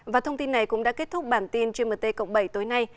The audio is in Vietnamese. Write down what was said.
và thông tin này cũng đã kết thúc bản tin gmt cộng bảy tối nay